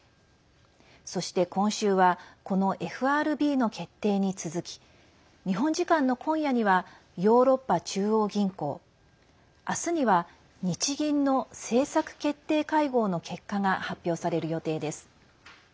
そして、今週はこのＦＲＢの決定に続き日本時間の今夜にはヨーロッパ中央銀行明日には、日銀の政策決定会合の結果が発表される予定です。